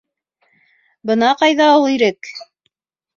Бына ҡайҙа ул ирек?